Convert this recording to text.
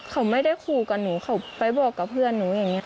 เขาไม่ได้ขู่กับหนูเขาไปบอกกับเพื่อนหนูอย่างนี้